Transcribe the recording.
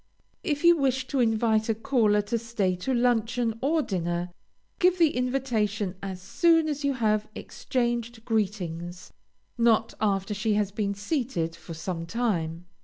If you wish to invite a caller to stay to luncheon or dinner, give the invitation as soon as you have exchanged greetings, not after she has been seated for some time.